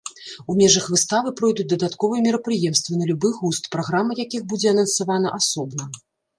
У межах выставы пройдуць дадатковыя мерапрыемствы на любы густ, праграма якіх будзе анансавана асобна.